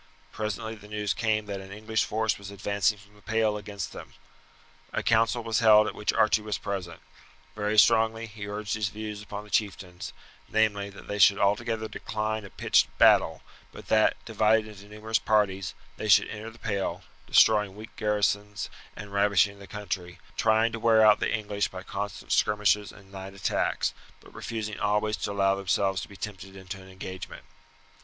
Presently the news came that an English force was advancing from the Pale against them. A council was held at which Archie was present. Very strongly he urged his views upon the chieftains, namely: that they should altogether decline a pitched battle; but that, divided into numerous parties, they should enter the Pale, destroying weak garrisons and ravaging the country, trying to wear out the English by constant skirmishes and night attacks, but refusing always to allow themselves to be tempted into an engagement.